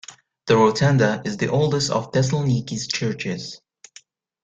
The Rotunda is the oldest of Thessaloniki's churches.